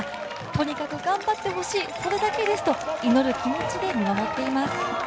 とにかく頑張ってほしいそれだけですと祈る気持ちで見守っています。